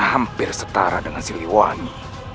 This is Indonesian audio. hampir setara dengan si liwani